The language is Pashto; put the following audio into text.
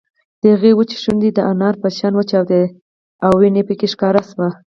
د هغې وچې شونډې د انارو په شان وچاودېدې او وينه پکې ښکاره شوه